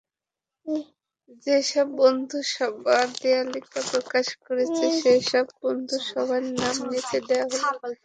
যেসব বন্ধুসভা দেয়ালিকা প্রকাশ করেছে, সেসব বন্ধুসভার নাম নিচে দেওয়া হলো।